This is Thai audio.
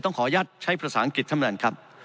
ต้องขอยัดใช้ภาษาอังกฤษ